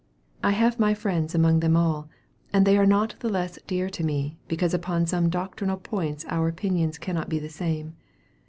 I have my friends among them all, and they are not the less dear to me, because upon some doctrinal points our opinions cannot be the same.